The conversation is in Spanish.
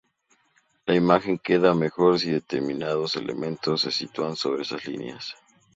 La imagen queda mejor si determinados elementos se sitúan sobre esas líneas.